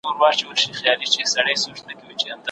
خلګ به هڅه کوي او کار به پيدا کوي.